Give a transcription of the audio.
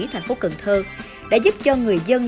thành phố cần thơ đã giúp cho người dân